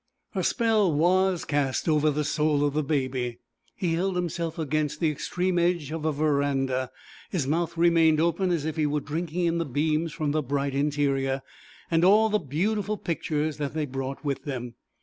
A spell was cast over the soul of the Baby; he held himself against the extreme edge of a verandah; his mouth remained open as if he were drinking in the beams from the bright interior and all the beautiful pictures that they brought with them.